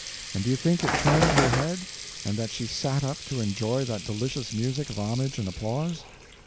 And do you think it turned her head, and that she sat up to enjoy that delicious music of homage and applause?